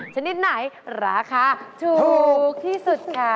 ชนิดไหนราคาถูกที่สุดค่ะ